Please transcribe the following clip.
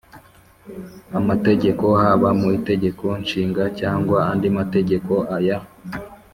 amategeko, haba mu itegeko nshinga cyangwa andi mategeko. aya